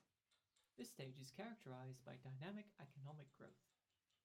This stage is characterized by dynamic economic growth.